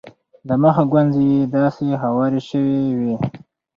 د مخ ګونځې یې داسې هوارې شوې وې.